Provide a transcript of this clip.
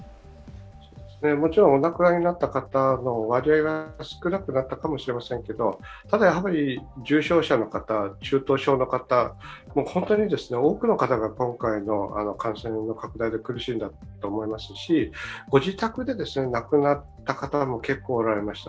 もちろんお亡くなりになった方の割合は少なくなったかもしれませんがただ重症者の方、中等症の方、多くの方が今回の感染拡大で苦しんだと思いますし、ご自宅でなくなった方も結構おられました。